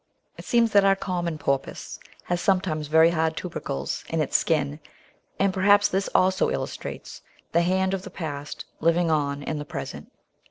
It seems that our Common Porpoise has sometimes very hard tubercles in its skin, and perhaps this also illustrates the hand of the past living on in the present.